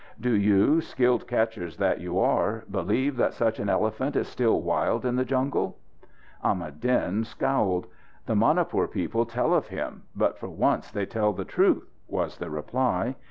"Do you, skilled catchers that you are, believe that such an elephant is still wild in the jungle?" Ahmad Din scowled. "The Manipur people tell of him, but for once they tell the truth," was the reply.